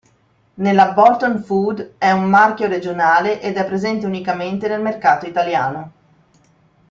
Nella Bolton Food è un marchio regionale ed è presente unicamente nel mercato italiano.